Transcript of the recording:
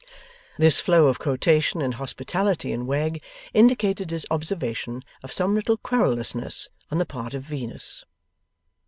This flow of quotation and hospitality in Wegg indicated his observation of some little querulousness on the part of Venus.